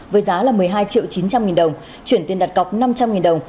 với giá là một mươi hai triệu chín trăm linh nghìn đồng chuyển tiền đặt cọc năm trăm linh nghìn đồng